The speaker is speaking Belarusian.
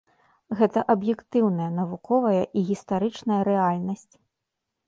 Гэта аб'ектыўная, навуковая і гістарычная рэальнасць.